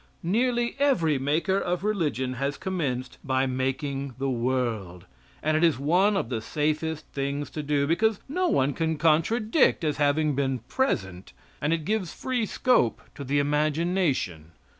Nearly every maker of religion has commenced by making the world; and it is one of the safest things to do, because no one can contradict as having been present, and it gives free scope to the imagination.